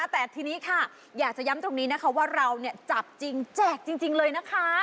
แต่ทีนี้ค่ะอยากจะย้ำตรงนี้นะคะว่าเราจับจริงแจกจริงเลยนะคะ